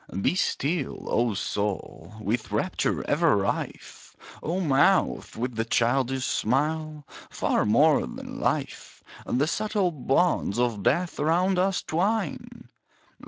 Be still, O soul, with rapture ever rife! O mouth, with the childish smile! Far more than Life, The subtle bonds of Death around us twine.